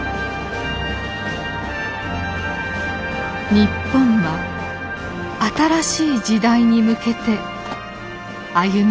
日本は新しい時代に向けて歩み始めました。